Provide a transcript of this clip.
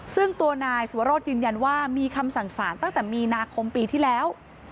ซึ่งตัวนายสุวรสยืนยันว่ามีคำสั่งสารตั้งแต่มีนาคมปีที่แล้ว